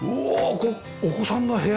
ここお子さんの部屋？